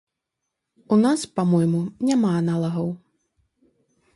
У нас, па-мойму, няма аналагаў.